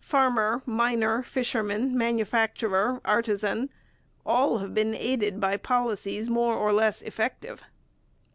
Farmer, miner, fisherman, manufacturer, artisan, all have been aided by policies more or less effective.